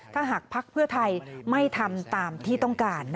ถ้าหากภักดิ์เพื่อไทยไม่ทำตามที่ต้องการ